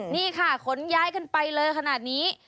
นี่ค่ะขนย้ายกันไปเลยขนาดนี้